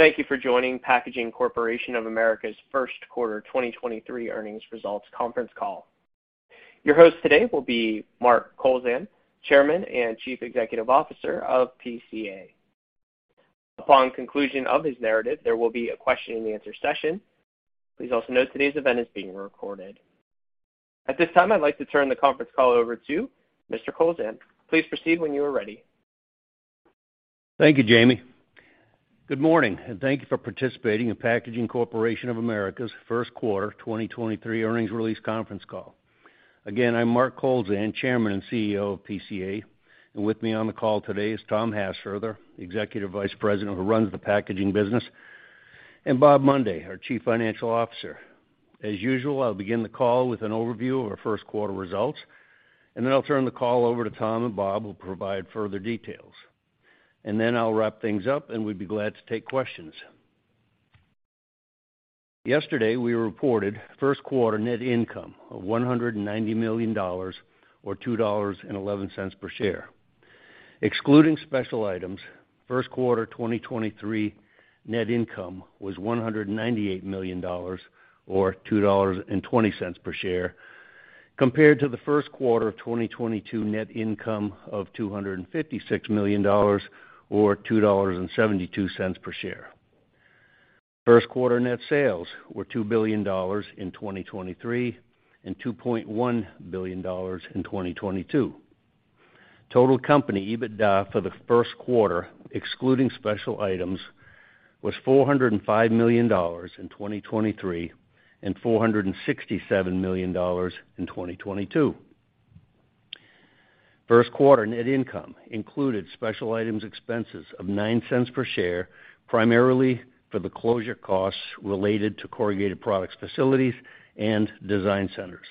Thank you for joining Packaging Corporation of America's first quarter 2023 earnings results conference call. Your host today will be Mark Kowlzan, Chairman and Chief Executive Officer of PCA. Upon conclusion of his narrative, there will be a question and answer session. Please also note today's event is being recorded. At this time, I'd like to turn the conference call over to Mr. Kowlzan. Please proceed when you are ready. Thank you, Jamie. Good morning, thank you for participating in Packaging Corporation of America's first quarter 2023 earnings release conference call. Again, I'm Mark Kowlzan, Chairman and CEO of PCA. With me on the call today is Tom Hassfurther, the Executive Vice President who runs the packaging business, and Rob Mundy, our Chief Financial Officer. As usual, I'll begin the call with an overview of our first quarter results, then I'll turn the call over to Tom and Rob, who will provide further details. Then I'll wrap things up, and we'd be glad to take questions. Yesterday, we reported first quarter net income of $190 million or $2.11 per share. Excluding special items, first quarter 2023 net income was $198 million or $2.20 per share, compared to the first quarter of 2022 net income of $256 million or $2.72 per share. First quarter net sales were $2 billion in 2023 and $2.1 billion in 2022. Total company EBITDA for the first quarter, excluding special items, was $405 million in 2023 and $467 million in 2022. First quarter net income included special items expenses of $0.09 per share, primarily for the closure costs related to corrugated products, facilities, and design centers.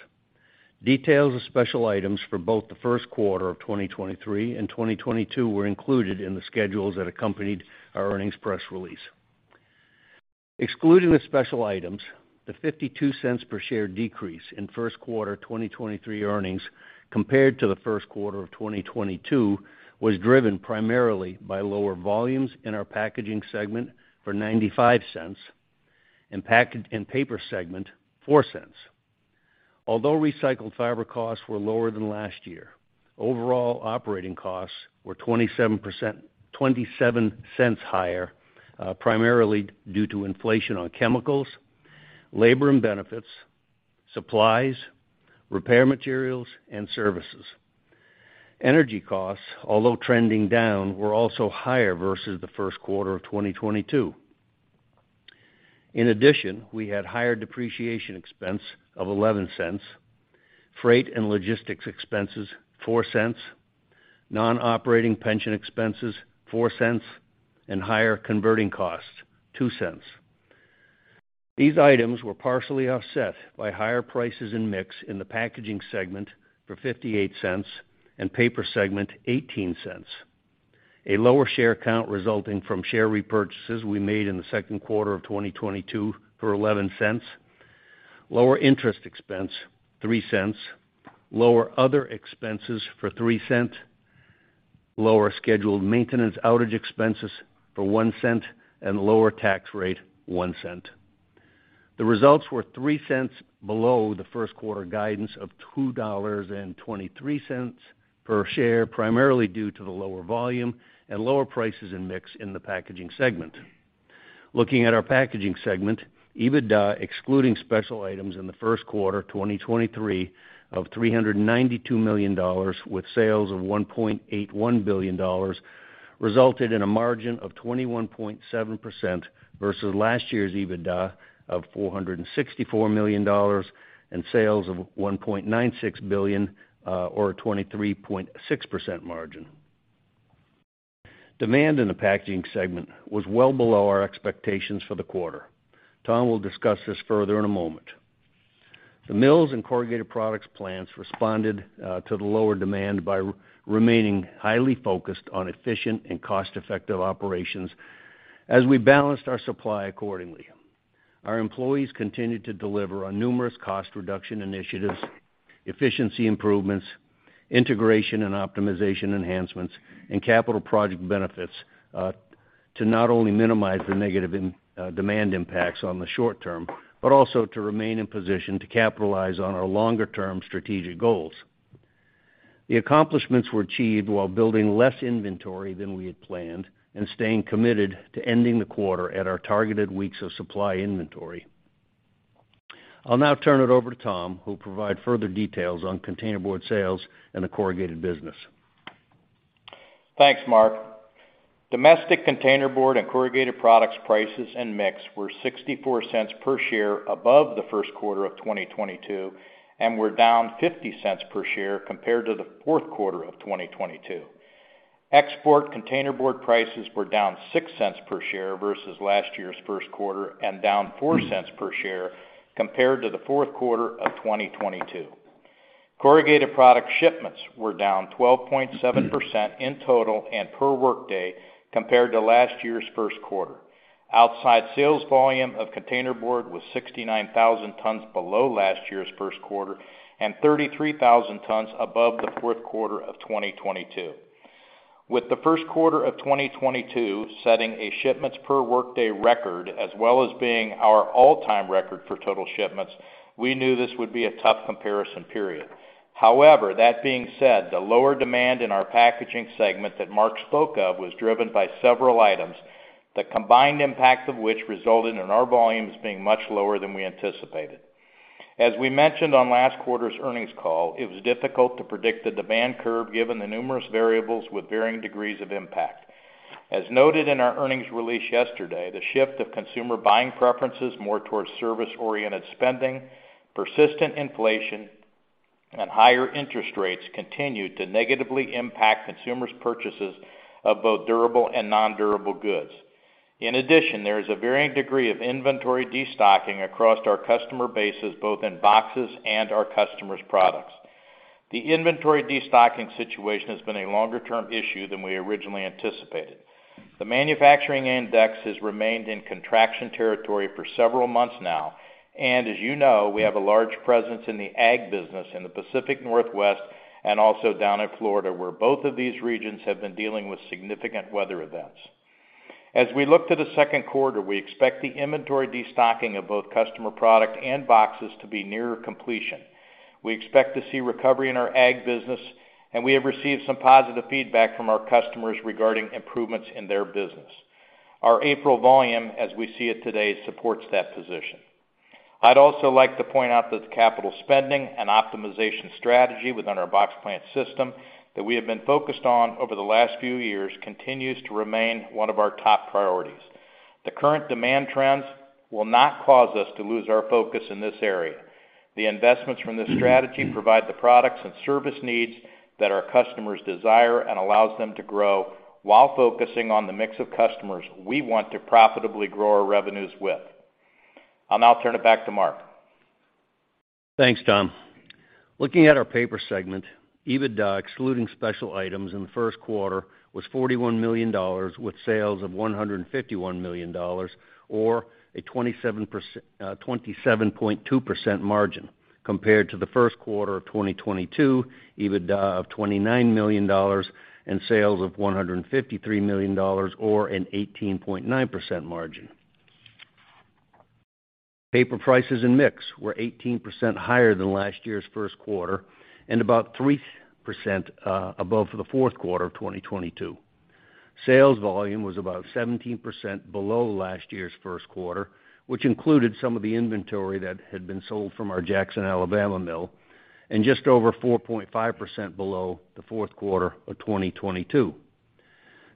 Details of special items for both the first quarter of 2023 and 2022 were included in the schedules that accompanied our earnings press release. Excluding the special items, the $0.52 per share decrease in first quarter 2023 earnings compared to the first quarter of 2022 was driven primarily by lower volumes in our packaging segment for $0.95 and paper segment, $0.04. Although recycled fiber costs were lower than last year, overall operating costs were $0.27 higher, primarily due to inflation on chemicals, labor and benefits, supplies, repair materials, and services. Energy costs, although trending down, were also higher versus the first quarter of 2022. In addition, we had higher depreciation expense of $0.11, freight and logistics expenses, $0.04, non-operating pension expenses, $0.04, and higher converting costs, $0.02. These items were partially offset by higher prices in mix in the packaging segment for $0.58 and paper segment, $0.18. A lower share count resulting from share repurchases we made in the second quarter of 2022 for $0.11, lower interest expense, $0.03, lower other expenses for $0.03, lower scheduled maintenance outage expenses for $0.01, and lower tax rate, $0.01. The results were $0.03 below the first quarter guidance of $2.23 per share, primarily due to the lower volume and lower prices in mix in the Packaging segment. Looking at our Packaging segment, EBITDA, excluding special items in the first quarter, 2023 of $392 million, with sales of $1.81 billion, resulted in a margin of 21.7% versus last year's EBITDA of $464 million and sales of $1.96 billion, or a 23.6% margin. Demand in the packaging segment was well below our expectations for the quarter. Tom will discuss this further in a moment. The mills and corrugated products plants responded to the lower demand by remaining highly focused on efficient and cost-effective operations as we balanced our supply accordingly. Our employees continued to deliver on numerous cost reduction initiatives, efficiency improvements, integration and optimization enhancements, and capital project benefits to not only minimize the negative demand impacts on the short term, but also to remain in position to capitalize on our longer term strategic goals. The accomplishments were achieved while building less inventory than we had planned and staying committed to ending the quarter at our targeted weeks of supply inventory. I'll now turn it over to Tom, who'll provide further details on containerboard sales and the corrugated business. Thanks, Mark. Domestic containerboard and corrugated products prices and mix were $0.64 per share above the first quarter of 2022 and were down $0.50 per share compared to the fourth quarter of 2022. Export containerboard prices were down $0.06 per share versus last year's first quarter and down $0.04 per share compared to the fourth quarter of 2022. Corrugated product shipments were down 12.7% in total and per workday compared to last year's first quarter. Outside sales volume of containerboard was 69,000 tons below last year's first quarter and 33,000 tons above the fourth quarter of 2022. With the first quarter of 2022 setting a shipments per workday record, as well as being our all-time record for total shipments, we knew this would be a tough comparison period. However, that being said, the lower demand in our packaging segment that Mark spoke of was driven by several items, the combined impact of which resulted in our volumes being much lower than we anticipated. We mentioned on last quarter's earnings call, it was difficult to predict the demand curve given the numerous variables with varying degrees of impact. Noted in our earnings release yesterday, the shift of consumer buying preferences more towards service-oriented spending, persistent inflation, and higher interest rates continued to negatively impact consumers' purchases of both durable and nondurable goods. In addition, there is a varying degree of inventory destocking across our customer bases, both in boxes and our customers' products. The inventory destocking situation has been a longer-term issue than we originally anticipated. The manufacturing index has remained in contraction territory for several months now, and as you know, we have a large presence in the ag business in the Pacific Northwest and also down in Florida, where both of these regions have been dealing with significant weather events. As we look to the second quarter, we expect the inventory destocking of both customer product and boxes to be near completion. We expect to see recovery in our ag business, and we have received some positive feedback from our customers regarding improvements in their business. Our April volume, as we see it today, supports that position. I'd also like to point out that the capital spending and optimization strategy within our box plant system that we have been focused on over the last few years continues to remain one of our top priorities. The current demand trends will not cause us to lose our focus in this area. The investments from this strategy provide the products and service needs that our customers desire and allows them to grow while focusing on the mix of customers we want to profitably grow our revenues with. I'll now turn it back to Mark. Thanks, Tom. Looking at our paper segment, EBITDA, excluding special items in the first quarter, was $41 million with sales of $151 million or a 27.2% margin compared to the first quarter of 2022, EBITDA of $29 million and sales of $153 million or an 18.9% margin. Paper prices and mix were 18% higher than last year's first quarter and about 3% above the fourth quarter of 2022. Sales volume was about 17% below last year's first quarter, which included some of the inventory that had been sold from our Jackson, Alabama mill and just over 4.5% below the fourth quarter of 2022.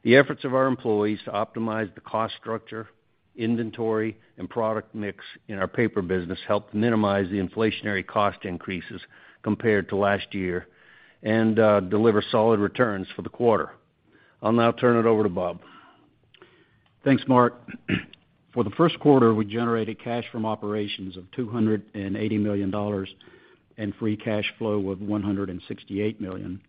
The efforts of our employees to optimize the cost structure, inventory, and product mix in our paper business helped minimize the inflationary cost increases compared to last year and deliver solid returns for the quarter. I'll now turn it over to Rob. Thanks, Mark. For the first quarter, we generated cash from operations of $280 million and free cash flow of $168 million.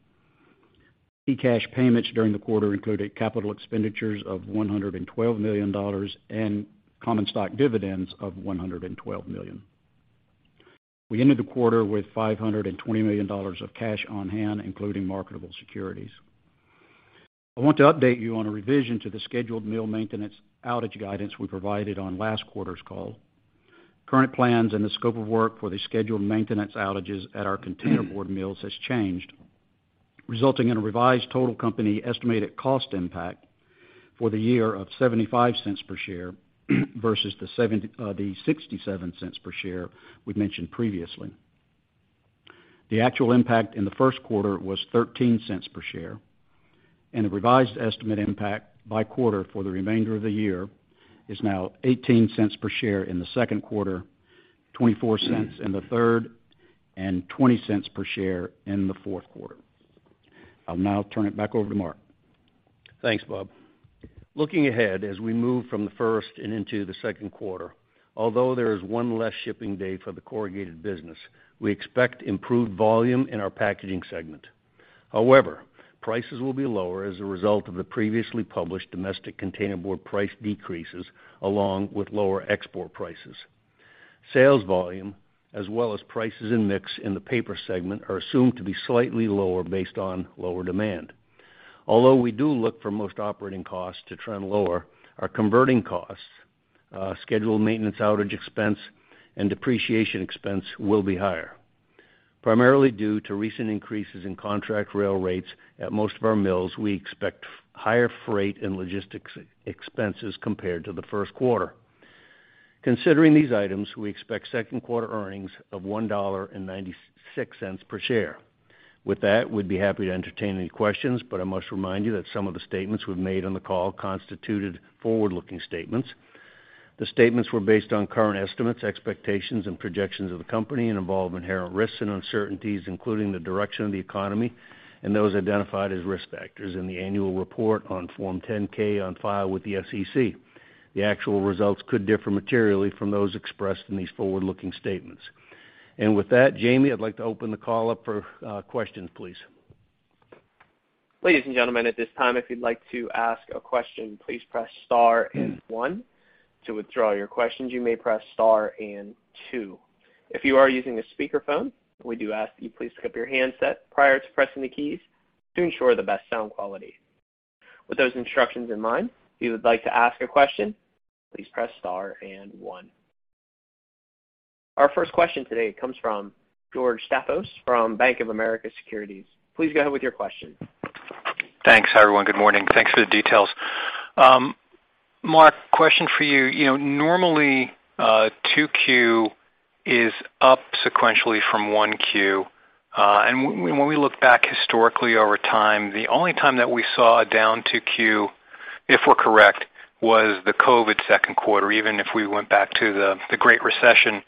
Free cash payments during the quarter included CapEx of $112 million and common stock dividends of $112 million. We ended the quarter with $520 million of cash on hand, including marketable securities. I want to update you on a revision to the scheduled mill maintenance outage guidance we provided on last quarter's call. Current plans and the scope of work for the scheduled maintenance outages at our containerboard mills has changed, resulting in a revised total company estimated cost impact for the year of $0.75 per share versus the $0.67 per share we mentioned previously. The actual impact in the first quarter was $0.13 per share. The revised estimate impact by quarter for the remainder of the year is now $0.18 per share in the second quarter, $0.24 in the third, and $0.20 per share in the fourth quarter. I'll now turn it back over to Mark. Thanks, Rob. Looking ahead, as we move from the first and into the second quarter, although there is one less shipping day for the corrugated business, we expect improved volume in our packaging segment. However, prices will be lower as a result of the previously published domestic containerboard price decreases, along with lower export prices. Sales volume, as well as prices and mix in the paper segment, are assumed to be slightly lower based on lower demand. Although we do look for most operating costs to trend lower, our converting costs, scheduled maintenance outage expense, and depreciation expense will be higher. Primarily due to recent increases in contract rail rates at most of our mills, we expect higher freight and logistics expenses compared to the first quarter. Considering these items, we expect second quarter earnings of $1.96 per share. With that, we'd be happy to entertain any questions, but I must remind you that some of the statements we've made on the call constituted forward-looking statements. The statements were based on current estimates, expectations, and projections of the company and involve inherent risks and uncertainties, including the direction of the economy and those identified as risk factors in the annual report on Form 10-K on file with the SEC. The actual results could differ materially from those expressed in these forward-looking statements. With that, Jamie, I'd like to open the call up for questions, please. Ladies and gentlemen, at this time, if you'd like to ask a question, please press star and one. To withdraw your questions, you may press star and two. If you are using a speakerphone, we do ask that you please pick up your handset prior to pressing the keys to ensure the best sound quality. With those instructions in mind, if you would like to ask a question, please press star and one. Our first question today comes from George Staphos from Bank of America Securities. Please go ahead with your question. Thanks. Hi, everyone. Good morning. Thanks for the details. Mark, question for you. You know, normally, 2Q is up sequentially from 1Q. When we look back historically over time, the only time that we saw a down 2Q, if we're correct, was the COVID second quarter. Even if we went back to the Great Recession,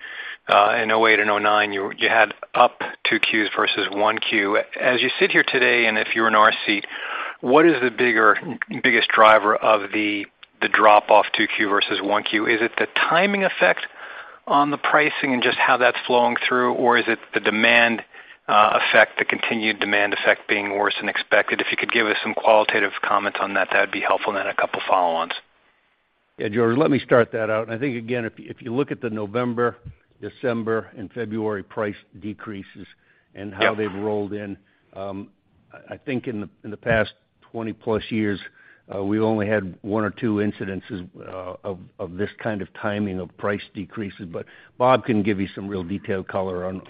in '08 and '09, you had up 2Qs versus 1Q. As you sit here today, and if you're in our seat, what is the biggest driver of the drop off 2Q versus 1Q? Is it the timing effect on the pricing and just how that's flowing through, or is it the demand effect, the continued demand effect being worse than expected? If you could give us some qualitative comments on that'd be helpful. A couple follow-ons. Yeah, George, let me start that out. I think, again, if you look at the November, December, and February price decreases and how they've rolled in, I think in the past 20-plus years, we've only had one or two incidences of this kind of timing of price decreases. Rob can give you some real detailed color on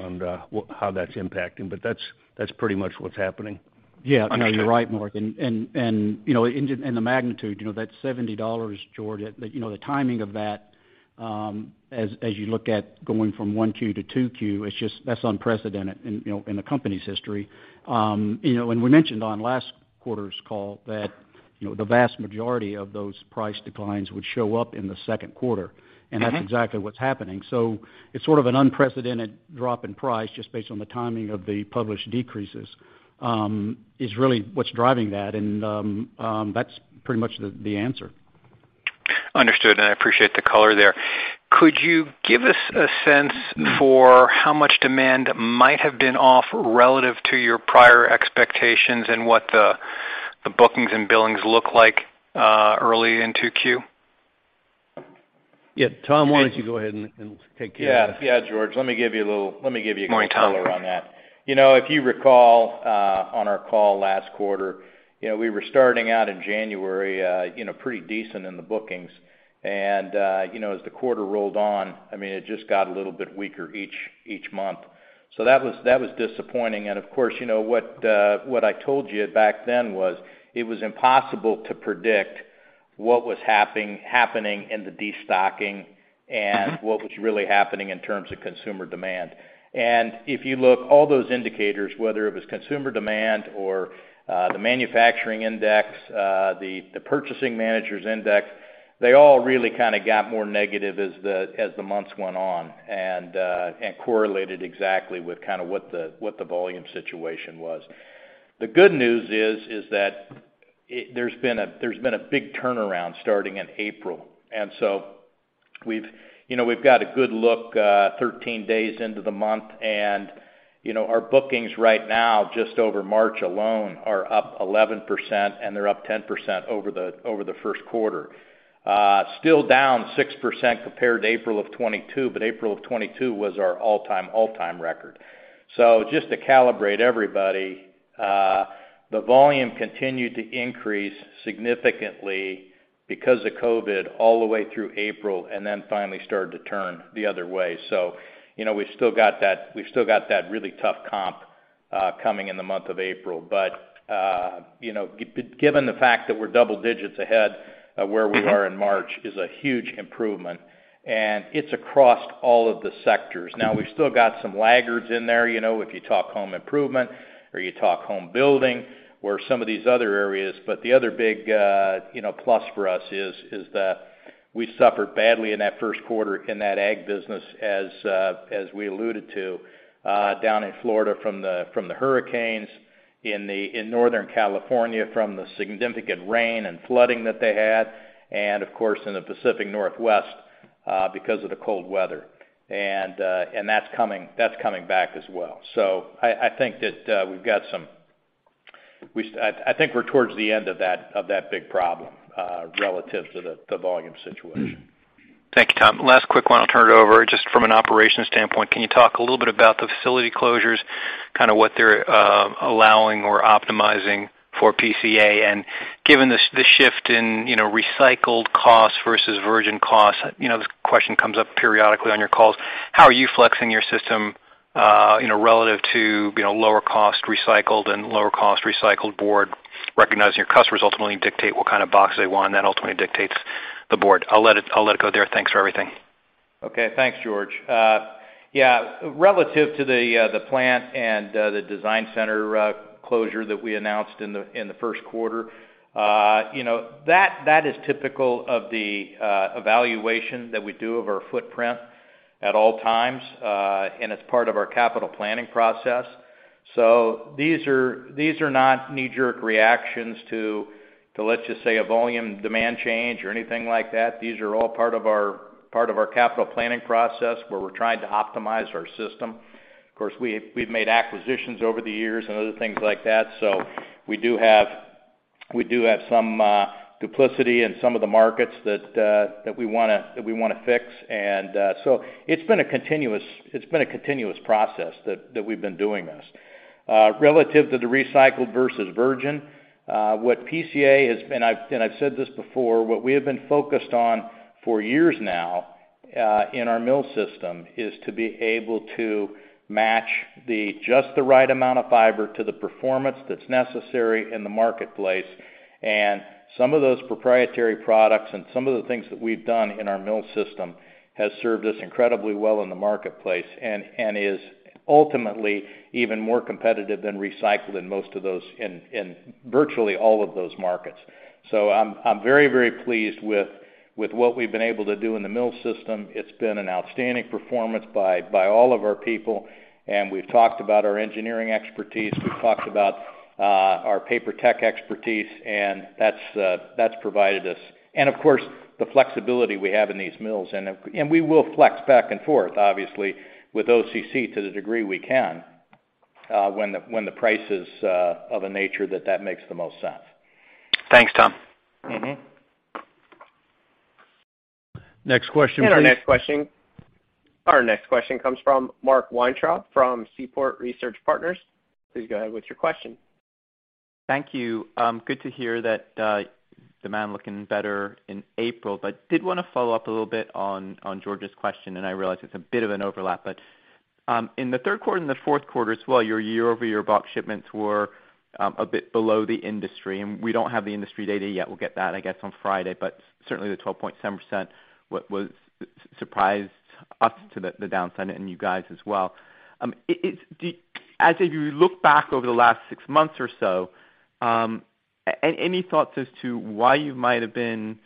how that's impacting, but that's pretty much what's happening. Okay. Yeah. No, you're right, Mark. You know, in the, in the magnitude, you know, that's $70, George. You know, the timing of that, as you look at going from 1 Q to 2 Q, that's unprecedented in, you know, in the company's history. You know, we mentioned on last quarter's call that, you know, the vast majority of those price declines would show up in the second quarter, and that's exactly what's happening. It's sort of an unprecedented drop in price just based on the timing of the published decreases, is really what's driving that. That's pretty much the answer. Understood. I appreciate the color there. Could you give us a sense for how much demand might have been off relative to your prior expectations and what the bookings and billings look like early in 2Q? Yeah. Tom, why don't you go ahead and take care of this. Yeah. Yeah, George. Let me give you a good color on that. Morning, Tom. If you recall, on our call last quarter, we were starting out in January, pretty decent in the bookings. As the quarter rolled on, it just got a little bit weaker each month. That was disappointing. Of course, what I told you back then was, it was impossible to predict what was happening in the destocking and what was really happening in terms of consumer demand. If you look all those indicators, whether it was consumer demand or the Manufacturing PMI, the Purchasing Managers' Index, they all really kind of got more negative as the months went on and correlated exactly with kind of what the volume situation was. The good news is that there's been a big turnaround starting in April. We've, you know, we've got a good look, 13 days into the month, and, you know, our bookings right now just over March alone are up 11%, and they're up 10% over the first quarter. Still down 6% compared to April of 2022, April of 2022 was our all-time record. Just to calibrate everybody, the volume continued to increase significantly because of COVID all the way through April, then finally started to turn the other way. You know, we've still got that really tough comp coming in the month of April. you know, given the fact that we're double digits ahead of where we were in March is a huge improvement. It's across all of the sectors. Now we've still got some laggards in there, you know, if you talk home improvement or you talk home building or some of these other areas. The other big, you know, plus for us is that we suffered badly in that first quarter in that ag business as we alluded to down in Florida from the hurricanes, in Northern California from the significant rain and flooding that they had and, of course, in the Pacific Northwest because of the cold weather. That's coming back as well. I think that We I think we're towards the end of that big problem, relative to the volume situation. Thank you, Tom. Last quick one, I'll turn it over. Just from an operations standpoint, can you talk a little bit about the facility closures, kind of what they're allowing or optimizing for PCA? Given this shift in, you know, recycled costs versus virgin costs, you know, this question comes up periodically on your calls, how are you flexing your system, you know, relative to, you know, lower cost recycled and lower cost recycled board, recognizing your customers ultimately dictate what kind of box they want, and that ultimately dictates the board? I'll let it go there. Thanks for everything. Okay. Thanks, George. Yeah, relative to the plant and the design center closure that we announced in the first quarter, you know, that is typical of the evaluation that we do of our footprint at all times, and it's part of our capital planning process. These are not knee-jerk reactions to let's just say, a volume demand change or anything like that. These are all part of our capital planning process where we're trying to optimize our system. Of course, we've made acquisitions over the years and other things like that, so we do have some duplicity in some of the markets that we wanna fix. So it's been a continuous process that we've been doing this. Relative to the recycled versus virgin, what PCA has been and I've said this before, what we have been focused on for years now in our mill system, is to be able to match the just the right amount of fiber to the performance that's necessary in the marketplace. Some of those proprietary products and some of the things that we've done in our mill system has served us incredibly well in the marketplace, and is ultimately even more competitive than recycled in most of those, in virtually all of those markets. I'm very pleased with what we've been able to do in the mill system. It's been an outstanding performance by all of our people. We've talked about our engineering expertise. We've talked about our paper tech expertise, and that's provided us. Of course, the flexibility we have in these mills. We will flex back and forth, obviously, with OCC to the degree we can, when the, when the price is of a nature that that makes the most sense. Thanks, Tom. Mm-hmm. Next question please. Our next question comes from Mark Weintraub, from Seaport Research Partners. Please go ahead with your question. Thank you. Good to hear that demand looking better in April. Did wanna follow up a little bit on George's question, and I realize it's a bit of an overlap. In the 3rd quarter and the 4th quarter as well, your year-over-year box shipments were a bit below the industry, and we don't have the industry data yet. We'll get that, I guess, on Friday. Certainly the 12.7% what was surprised us to the downside and you guys as well. As you look back over the last six months or so, any thoughts as to why you might have been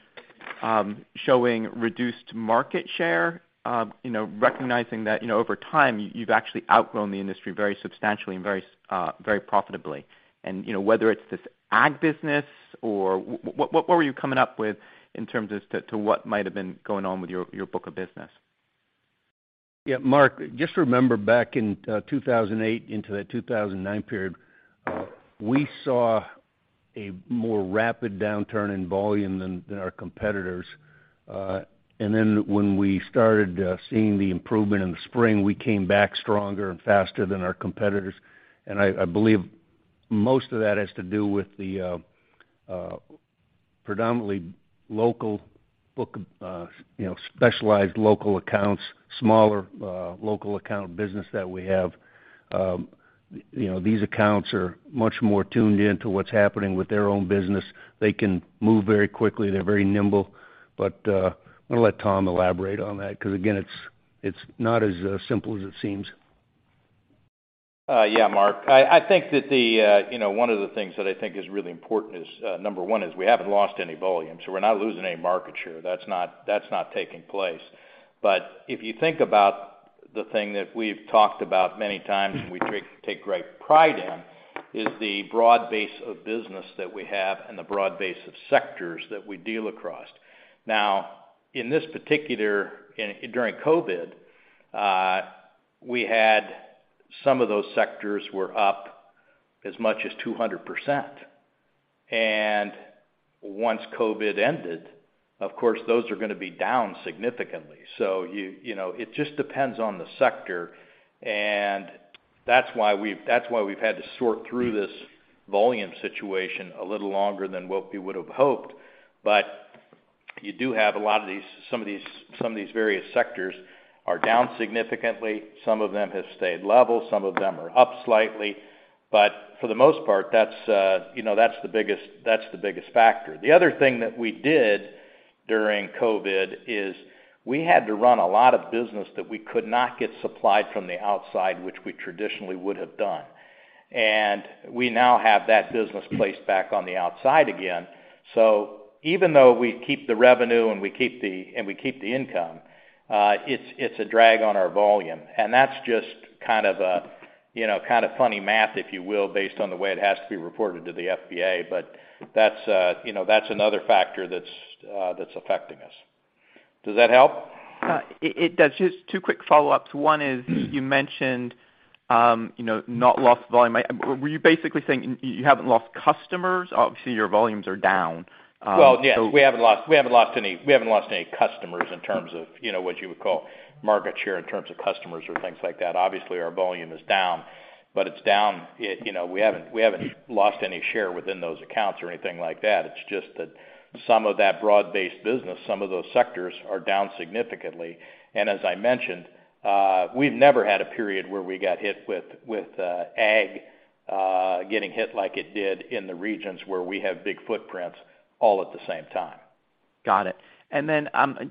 showing reduced market share? You know, recognizing that, you know, over time you've actually outgrown the industry very substantially and very profitably. You know, whether it's this ag business or what were you coming up with in terms as to what might have been going on with your book of business? Yeah, Mark, just remember back in 2008 into the 2009 period, we saw a more rapid downturn in volume than our competitors. When we started, seeing the improvement in the spring, we came back stronger and faster than our competitors. I believe most of that has to do with the predominantly local book, you know, specialized local accounts, smaller, local account business that we have. You know, these accounts are much more tuned in to what's happening with their own business. They can move very quickly. They're very nimble. I'm gonna let Tom elaborate on that because, again, it's not as simple as it seems. Yeah, Mark. I think that the, you know, one of the things that I think is really important is, number one is we haven't lost any volume, so we're not losing any market share. That's not taking place. If you think about the thing that we've talked about many times, and we take great pride in, is the broad base of business that we have and the broad base of sectors that we deal across. In this particular, during COVID, we had some of those sectors were up as much as 200%. Once COVID ended, of course, those are gonna be down significantly. You know, it just depends on the sector, and that's why we've, that's why we've had to sort through this volume situation a little longer than what we would have hoped. You do have a lot of these, some of these various sectors are down significantly. Some of them have stayed level. Some of them are up slightly. For the most part, that's, you know, that's the biggest factor. The other thing that we did during COVID is we had to run a lot of business that we could not get supplied from the outside, which we traditionally would have done. We now have that business placed back on the outside again. Even though we keep the revenue and we keep the income, it's a drag on our volume. That's just kind of a, you know, kind of funny math, if you will, based on the way it has to be reported to the FBA. That's, you know, that's another factor that's affecting us. Does that help? It does. Just two quick follow-ups. One is you mentioned, you know, not lost volume. Were you basically saying you haven't lost customers? Obviously, your volumes are down. Well, yes, we haven't lost any customers in terms of, you know, what you would call market share in terms of customers or things like that. Obviously, our volume is down, but it's down, you know, we haven't lost any share within those accounts or anything like that. It's just that some of that broad-based business, some of those sectors are down significantly. As I mentioned, we've never had a period where we got hit with ag getting hit like it did in the regions where we have big footprints all at the same time. Got it.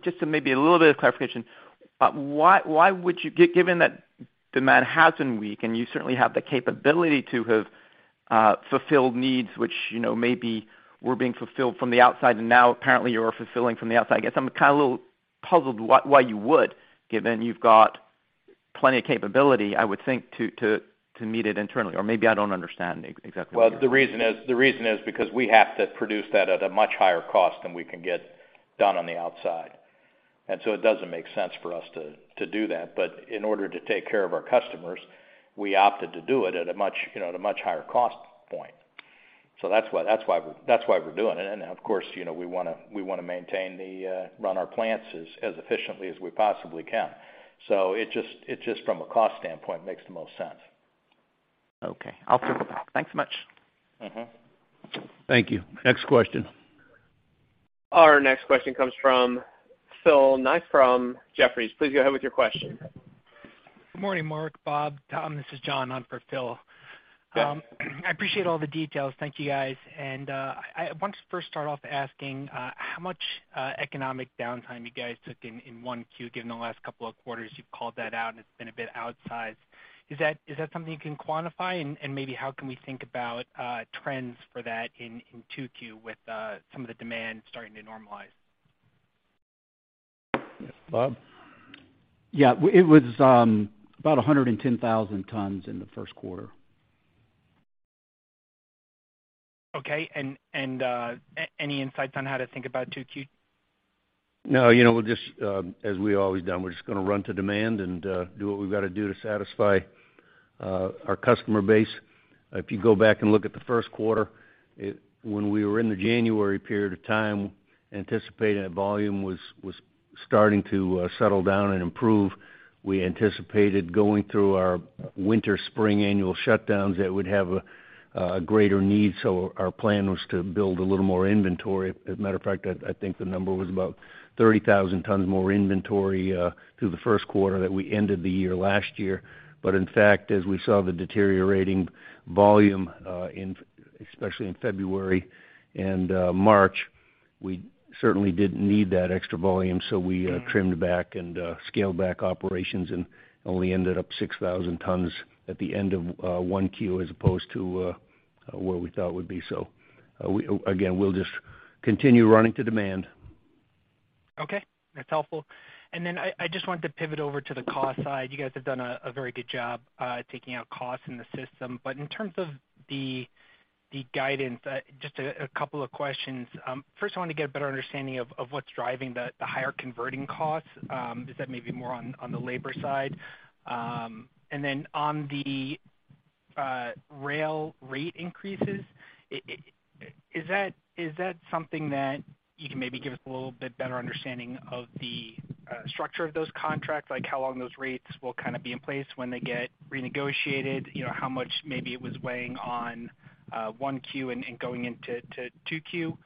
Just to maybe a little bit of clarification, why would you given that demand has been weak and you certainly have the capability to have, fulfilled needs, which, you know, maybe were being fulfilled from the outside and now apparently you're fulfilling from the outside, I guess I'm kinda a little puzzled why you would, given you've got plenty of capability, I would think, to meet it internally, or maybe I don't understand exactly what you're saying? Well, the reason is because we have to produce that at a much higher cost than we can get done on the outside. It doesn't make sense for us to do that. In order to take care of our customers, we opted to do it at a much, you know, at a much higher cost point. That's why, that's why we're doing it. Of course, you know, we wanna maintain, run our plants as efficiently as we possibly can. It just from a cost standpoint, makes the most sense. Okay. I'll circle back. Thanks so much. Mm-hmm. Thank you. Next question. Our next question comes from Philip Ng from Jefferies. Please go ahead with your question. Good morning, Mark, Rob, Tom, this is John on for Phil. I appreciate all the details. Thank you, guys. I want to first start off asking how much economic downtime you guys took in 1Q, given the last couple of quarters you've called that out, and it's been a bit outsized. Is that, is that something you can quantify? Maybe how can we think about trends for that in 2Q with some of the demand starting to normalize? Rob? Yeah. It was about 110,000 tons in the first quarter. Okay. Any insights on how to think about 2Q? No, you know, we'll just, as we always done, we're just gonna run to demand and do what we've got to do to satisfy our customer base. If you go back and look at the first quarter, when we were in the January period of time, anticipating that volume was starting to settle down and improve, we anticipated going through our winter, spring annual shutdowns that would have a greater need. Our plan was to build a little more inventory. As a matter of fact, I think the number was about 30,000 tons more inventory through the first quarter that we ended the year last year. In fact, as we saw the deteriorating volume in, especially in February and March, we certainly didn't need that extra volume. We trimmed back and scaled back operations and only ended up 6,000 tons at the end of 1Q as opposed to where we thought it would be. Again, we'll just continue running to demand. Okay, that's helpful. I just want to pivot over to the cost side. You guys have done a very good job taking out costs in the system. In terms of the guidance, just a couple of questions. First, I want to get a better understanding of what's driving the higher converting costs. Is that maybe more on the labor side? On the rail rate increases, is that something that you can maybe give us a little bit better understanding of the structure of those contracts, like how long those rates will kind of be in place when they get renegotiated? You know, how much maybe it was weighing on, 1Q and going into, 2Q,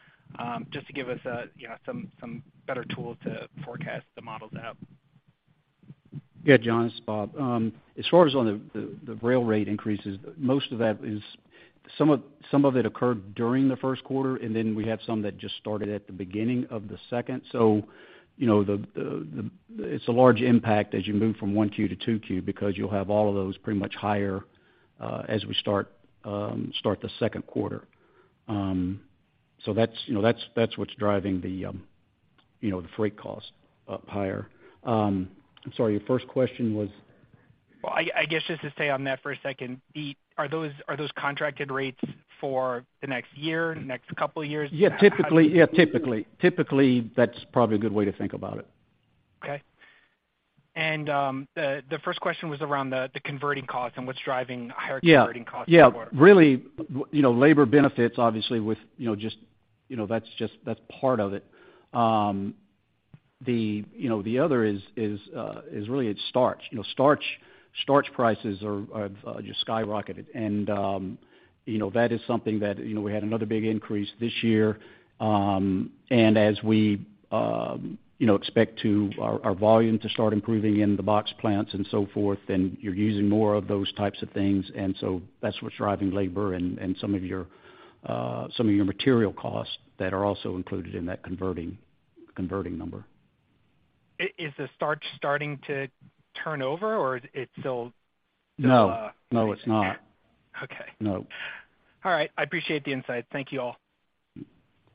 just to give us a, you know, some better tools to forecast the models out. John, it's Rob. As far as on the rail rate increases, most of that is some of it occurred during the first quarter, we have some that just started at the beginning of the second. You know, the it's a large impact as you move from one Q to two Q because you'll have all of those pretty much higher, as we start the second quarter. That's, you know, that's what's driving the, you know, the freight costs up higher. I'm sorry, your first question was? Well, I guess, just to stay on that for a second. Are those contracted rates for the next year, next couple of years? How do you- Yeah, typically. Typically, that's probably a good way to think about it. Okay. The first question was around the converting costs and what's driving higher converting costs forward. Yeah. Yeah. Really, you know, labor benefits, obviously, with, you know, just, you know, that's part of it. The, you know, the other is really it's starch. You know, starch prices are just skyrocketed. You know, that is something that, you know, we had another big increase this year. As we, you know, expect our volume to start improving in the box plants and so forth, then you're using more of those types of things. That's what's driving labor and some of your material costs that are also included in that converting number. Is the starch starting to turn over or it's still? No. No, it's not. Okay. No. All right. I appreciate the insight. Thank you all.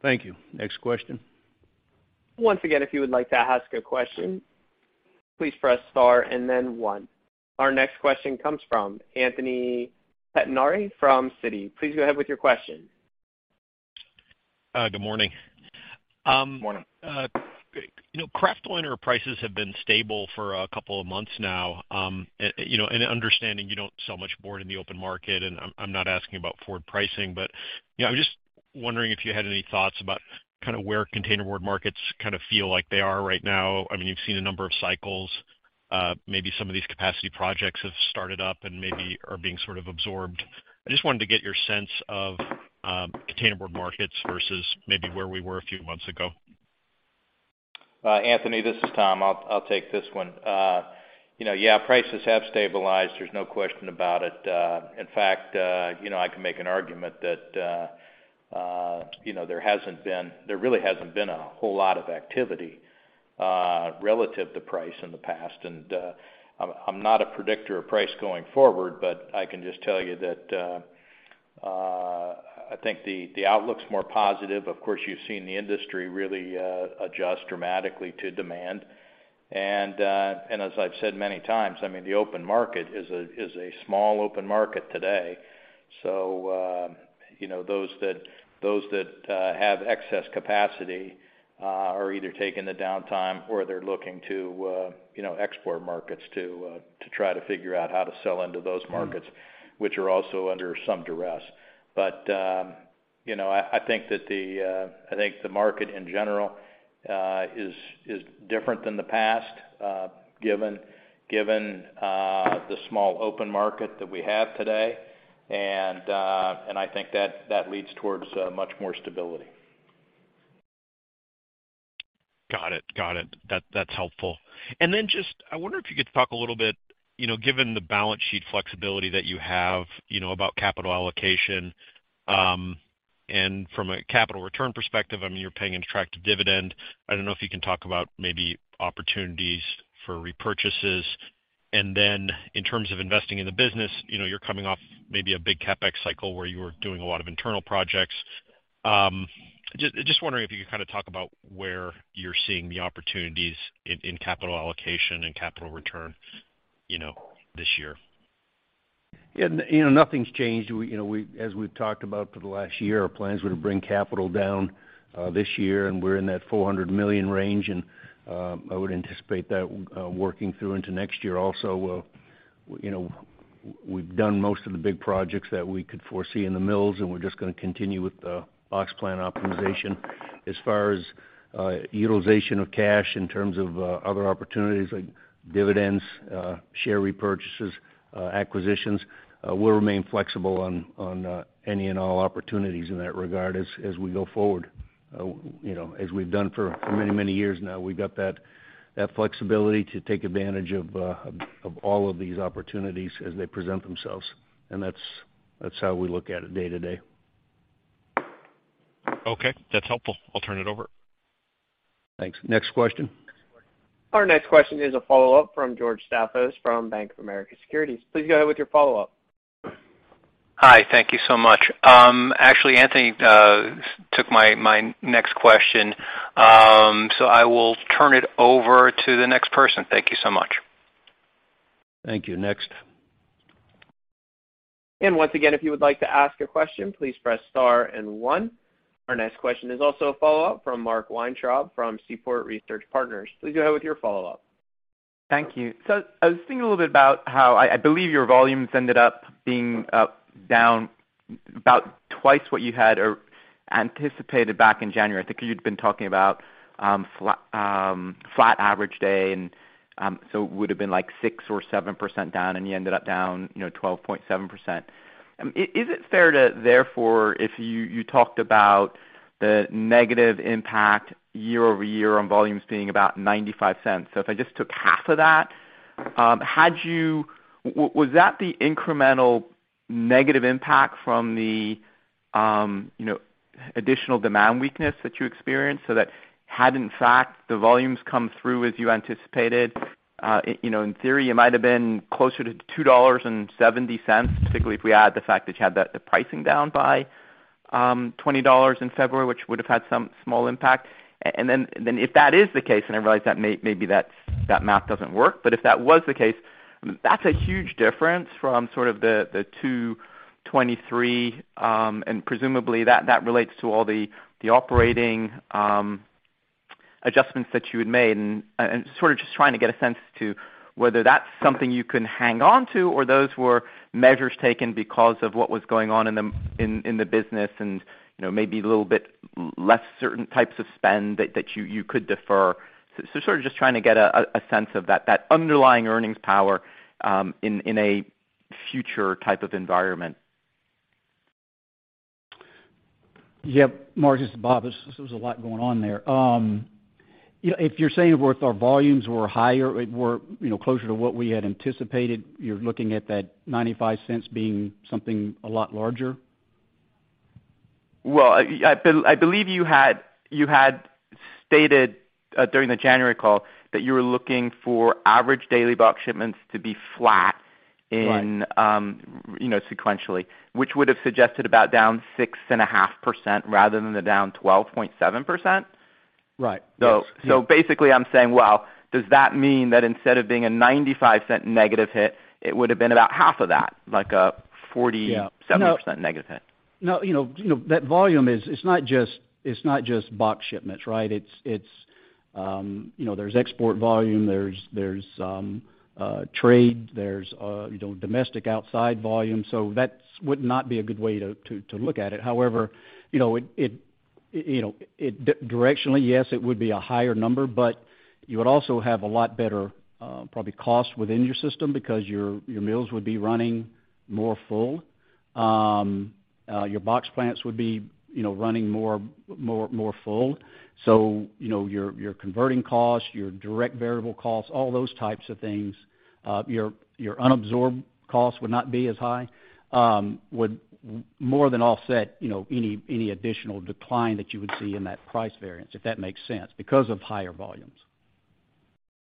Thank you. Next question. Once again, if you would like to ask a question, please press star and then one. Our next question comes from Anthony Pettinari from Citi. Please go ahead with your question. Good morning. Morning. you know, kraft liner prices have been stable for a couple of months now. you know, and understanding you don't sell much board in the open market, and I'm not asking about forward pricing. You know, I'm just wondering if you had any thoughts about kind of where containerboard markets kind of feel like they are right now. I mean, you've seen a number of cycles. Maybe some of these capacity projects have started up and maybe are being sort of absorbed. I just wanted to get your sense of, containerboard markets versus maybe where we were a few months ago. Anthony, this is Tom. I'll take this one. you know, yeah, prices have stabilized. There's no question about it. In fact, you know, I can make an argument that, you know, there really hasn't been a whole lot of activity, relative to price in the past. I'm not a predictor of price going forward, but I can just tell you that, I think the outlook's more positive. Of course, you've seen the industry really, adjust dramatically to demand. as I've said many times, I mean, the open market is a small open market today. you know, those that have excess capacity are either taking the downtime or they're looking to, you know, export markets to try to figure out how to sell into those markets. Mm-hmm... which are also under some duress. You know, I think that the, I think the market in general, is different than the past, given, the small open market that we have today. I think that leads towards much more stability. Got it. Got it. That's helpful. Just I wonder if you could talk a little bit, you know, given the balance sheet flexibility that you have, you know, about capital allocation, and from a capital return perspective, I mean, you're paying an attractive dividend. I don't know if you can talk about maybe opportunities for repurchases. In terms of investing in the business, you know, you're coming off maybe a big CapEx cycle where you were doing a lot of internal projects. Just wondering if you could kind of talk about where you're seeing the opportunities in capital allocation and capital return, you know, this year. You know, we, you know, as we've talked about for the last year, our plans were to bring capital down this year, and we're in that $400 million range. I would anticipate that working through into next year also. You know, we've done most of the big projects that we could foresee in the mills, and we're just gonna continue with the box plan optimization. As far as utilization of cash in terms of other opportunities like dividends, share repurchases, acquisitions, we'll remain flexible on any and all opportunities in that regard as we go forward. You know, as we've done for many, many years now, we've got that flexibility to take advantage of all of these opportunities as they present themselves. That's how we look at it day to day. Okay. That's helpful. I'll turn it over. Thanks. Next question. Our next question is a follow-up from George Staphos from Bank of America Securities. Please go ahead with your follow-up. Hi. Thank you so much. actually, Anthony, took my next question. I will turn it over to the next person. Thank you so much. Thank you. Next. Once again, if you would like to ask a question, please press star and one. Our next question is also a follow-up from Mark Weintraub from Seaport Research Partners. Please go ahead with your follow-up. Thank you. I was thinking a little bit about how I believe your volumes ended up being down about twice what you had or anticipated back in January. I think you'd been talking about flat flat average day and so it would have been, like, 6% or 7% down, and you ended up down, you know, 12.7%. Is it fair to therefore if you talked about the negative impact year-over-year on volumes being about $0.95? If I just took half of that, was that the incremental negative impact from the, you know, additional demand weakness that you experienced so that had in fact the volumes come through as you anticipated, you know, in theory, you might have been closer to $2.70, particularly if we add the fact that you had the pricing down by $20 in February, which would have had some small impact? Then if that is the case, and I realize that maybe that math doesn't work, but if that was the case, that's a huge difference from sort of the $223, and presumably that relates to all the operating adjustments that you had made and sort of just trying to get a sense to whether that's something you can hang on to or those were measures taken because of what was going on in the business and, you know, maybe a little bit less certain types of spend that you could defer. Sort of just trying to get a sense of that underlying earnings power in a future type of environment. Yeah. Mark, this is Rob. There's a lot going on there. If you're saying if our volumes were higher or were, you know, closer to what we had anticipated, you're looking at that $0.95 being something a lot larger? I believe you had stated during the January call that you were looking for average daily box shipments to be flat in- Right... you know, sequentially, which would have suggested about down 6.5% rather than the down 12.7%. Right. Yes. Basically, I'm saying, well, does that mean that instead of being a $0.95 negative hit, it would have been about half of that, like a 40-. Yeah.... 7% negative hit. No, you know, that volume, it's not just box shipments, right? It's, you know, there's export volume, there's trade, there's, you know, domestic outside volume. That's would not be a good way to look at it. However, you know, it, you know, directionally, yes, it would be a higher number, but you would also have a lot better, probably cost within your system because your mills would be running more full. Your box plants would be, you know, running more full. You know, your converting costs, your direct variable costs, all those types of things, your unabsorbed costs would not be as high, would more than offset, you know, any additional decline that you would see in that price variance, if that makes sense, because of higher volumes.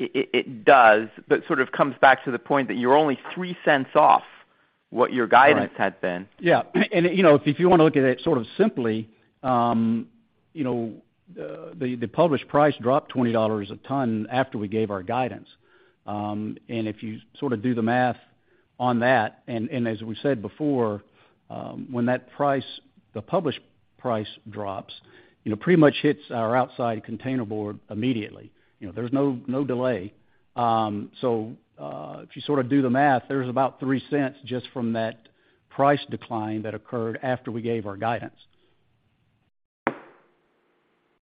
It does, but sort of comes back to the point that you're only $0.03 off what your guidance had been. Yeah. You know, if you wanna look at it sort of simply, you know, the published price dropped $20 a ton after we gave our guidance. If you sort of do the math on that, and as we said before, when that price, the published price drops, you know, pretty much hits our outside containerboard immediately. You know, there's no delay. If you sort of do the math, there's about $0.03 just from that price decline that occurred after we gave our guidance.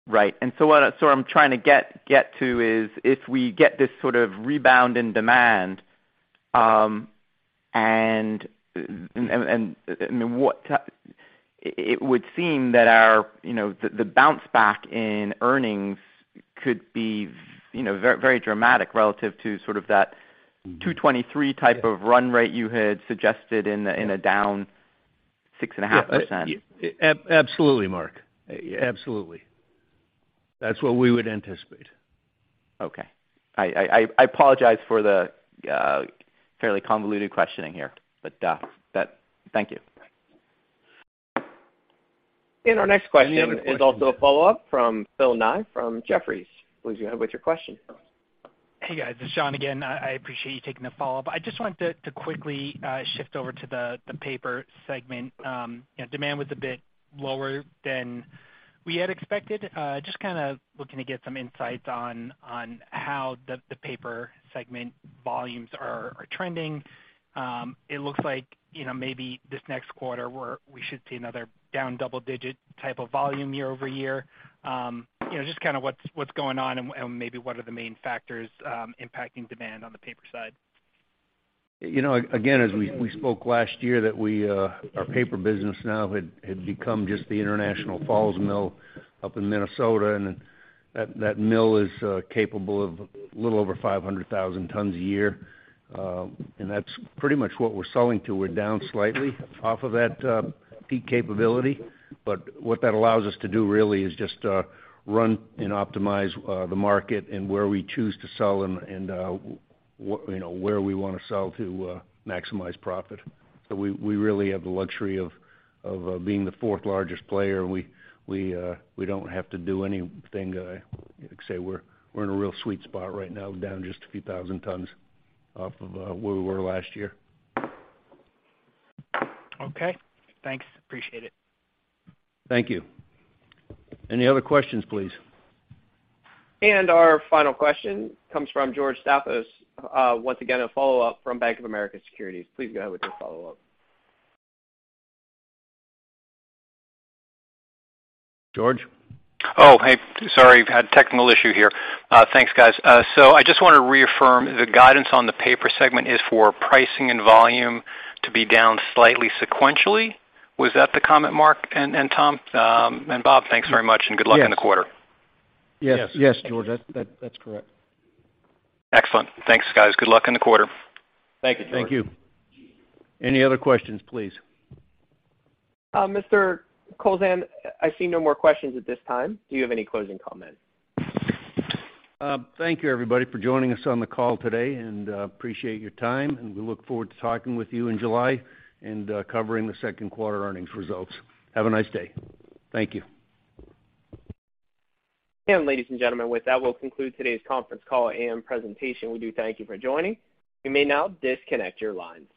Right. What I'm trying to get to is if we get this sort of rebound in demand, and what it would seem that our, you know, the bounce back in earnings could be, you know, very dramatic relative to sort of that 2023 type of run rate you had suggested in a, in a down 6.5%. Absolutely, Mark. Absolutely. That's what we would anticipate. Okay. I apologize for the fairly convoluted questioning here. Thank you. Our next question is also a follow-up from Philip Ng from Jefferies. Please go ahead with your question. Hey, guys, it's Philip again. I appreciate you taking the follow-up. I just wanted to quickly shift over to the paper segment. You know, demand was a bit lower than we had expected. Just kinda looking to get some insights on how the paper segment volumes are trending. It looks like, you know, maybe this next quarter we should see another down double digit type of volume year-over-year. You know, just kinda what's going on and maybe what are the main factors impacting demand on the paper side? You know, again, as we spoke last year that we, our paper business now had become just the International Falls mill up in Minnesota, and that mill is capable of a little over 500,000 tons a year. That's pretty much what we're selling to. We're down slightly off of that peak capability, but what that allows us to do really is just run and optimize the market and where we choose to sell and, you know, where we want to sell to maximize profit. We really have the luxury of being the fourth largest player. We don't have to do anything, like say we're in a real sweet spot right now, down just a few thousand tons off of where we were last year. Okay. Thanks. Appreciate it. Thank you. Any other questions, please? Our final question comes from George Staphos. Once again, a follow-up from Bank of America Securities. Please go ahead with your follow-up. George? Oh, hey, sorry. Had technical issue here. Thanks, guys. I just wanna reaffirm the guidance on the paper segment is for pricing and volume to be down slightly sequentially. Was that the comment, Mark and Tom? Rob, thanks very much and good luck in the quarter. Yes. Yes, George. That's correct. Excellent. Thanks, guys. Good luck in the quarter. Thank you, George. Thank you. Any other questions, please? Mr. Kowlzan, I see no more questions at this time. Do you have any closing comments? Thank you, everybody, for joining us on the call today, and appreciate your time, and we look forward to talking with you in July and covering the second quarter earnings results. Have a nice day. Thank you. Ladies and gentlemen, with that, we'll conclude today's conference call and presentation. We do thank you for joining. You may now disconnect your lines.